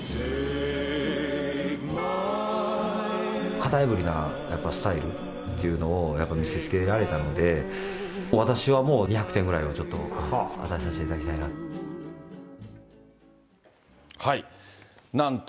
型破りなスタイルっていうのをやっぱり見せつけられたので、私はもう、２００点ぐらいはちょっとお渡しさせていただきたいなと。